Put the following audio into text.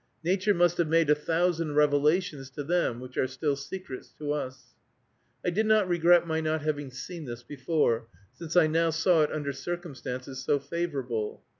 Nature must have made a thousand revelations to them which are still secrets to us. I did not regret my not having seen this before, since I now saw it under circumstances so favorable.